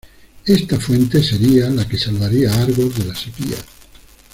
Esta fuente sería la que salvaría a Argos de la sequía.